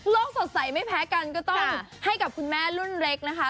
สดใสไม่แพ้กันก็ต้องให้กับคุณแม่รุ่นเล็กนะคะ